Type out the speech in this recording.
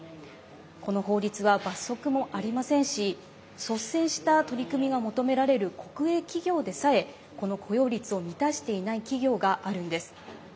この法律は罰則もありませんし率先した取り組みが求められる国営企業でさえこの雇用率を満たしていない企業があるんです。